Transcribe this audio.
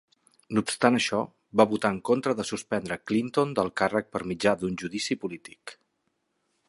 No obstant això, va votar en contra de suspendre Clinton del càrrec per mitjà d'un judici polític.